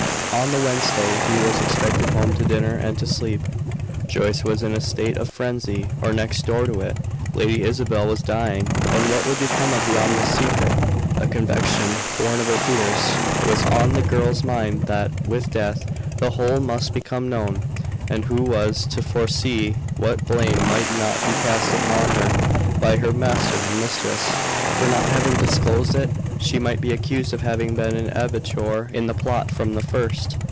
On the Wednesday he was expected home to dinner and to sleep. Joyce was in a state of frenzy or next door to it. Lady Isabel was dying, and what would become of the ominous secret? A conviction, born of her fears, was on the girl's mind that, with death, the whole must become known; and who was to foresee what blame might not be cast upon her, by her master and mistress, for not having disclosed it? She might be accused of having been an abettor in the plot from the first!